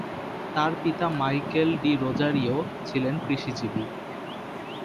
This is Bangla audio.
তার পিতা মাইকেল ডি’রোজারিও ছিলেন কৃষিজীবী।